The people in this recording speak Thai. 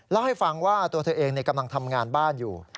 เล่าให้ฟังว่าตัวเธอเองกำลังทำงานบ้านอยู่